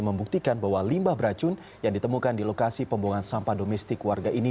membuktikan bahwa limbah beracun yang ditemukan di lokasi pembuangan sampah domestik warga ini